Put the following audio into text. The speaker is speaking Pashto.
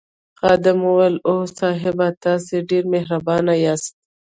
خادم وویل اوه صاحبه تاسي ډېر مهربان یاست.